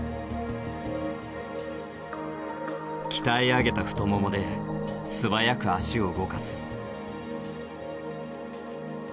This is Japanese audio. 鍛え上げた太ももで素早く足を動かす。